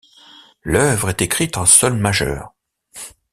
L'œuvre est écrite en sol majeur.